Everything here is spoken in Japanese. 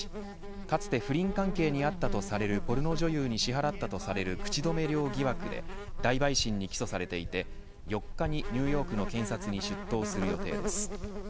かつて不倫関係にあったとされるポルノ女優に支払ったとされる口止め料疑惑で大陪審に起訴されていて４日にニューヨークの検察に出頭する予定です。